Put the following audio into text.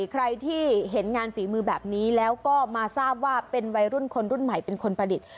ใครที่เห็นงานฝีมือแบบนี้แล้วก็มาทราบว่าเป็นวัยรุ่นคนรุ่นใหม่เป็นคนประดิษฐ์